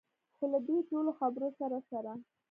خو له دې ټولو خبرو سره سره.